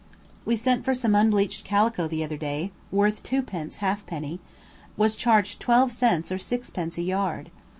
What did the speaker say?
We sent for some unbleached calico the other day, worth twopence halfpenny; was charged twelve cents or sixpence a yard.